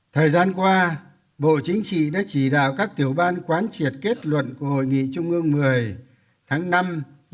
thời gian qua bộ chính trị đã chỉ đạo các tiểu ban quán triệt kết luận của hội nghị trung ương một mươi tháng năm năm hai nghìn một mươi chín